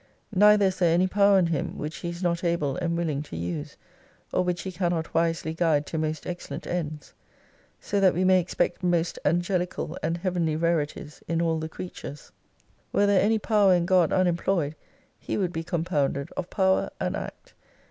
Neither is there any power in Him which He is not able and willing to use : or which He cannot wisely guide to most excellent ends. So that we may expect most angelical and heavenly rarities in all the creatures. Were there any power in God unemployed He would be compounded of Power and Act.